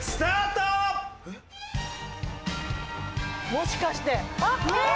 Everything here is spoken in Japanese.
もしかして。